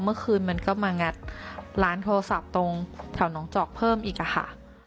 เมื่อคืนมันก็มางัดร้านโทรศัพท์ตรงแถวน้องจอกเพิ่มอีกอะค่ะ